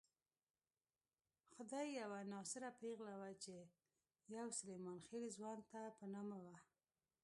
خدۍ یوه ناصره پېغله وه چې يو سلیمان خېل ځوان ته په نامه وه.